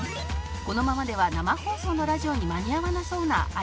「このままでは生放送のラジオに間に合わなそうな有吉さん」